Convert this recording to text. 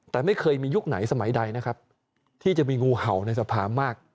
แต่ไม่เคยมียุคไหนสมัยใดนะครับที่จะมีงูเห่าในสภามาก